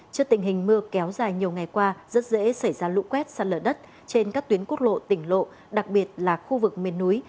trước tình hình mưa kéo dài nhiều ngày qua rất dễ xảy ra lũ quét sạt lở đất trên các tuyến quốc lộ tỉnh lộ đặc biệt là khu vực miền núi